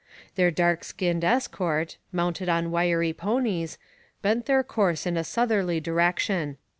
Their dark skinned escort, mounted on wiry ponies, bent their course in a southerly direction.